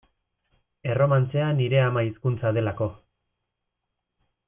Erromantzea nire ama hizkuntza delako.